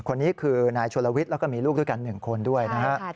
คนนี้คือนายชนลวิทย์แล้วก็มีลูกด้วยกัน๑คนด้วยนะฮะ